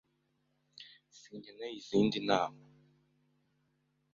Sinkeneye izindi nama.